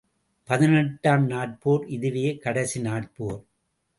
பதினெட்டாம் நாட் போர் இதுவே கடைசி நாட்போர்.